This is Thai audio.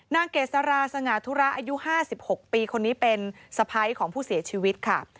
เกษราสง่าธุระอายุ๕๖ปีคนนี้เป็นสะพ้ายของผู้เสียชีวิตค่ะ